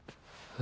え？